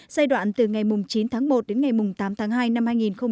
giai đoạn từ ngày chín tháng một đến ngày tám tháng hai năm hai nghìn hai mươi